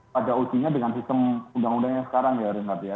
pada usinya dengan sistem undang undangnya sekarang ya renard ya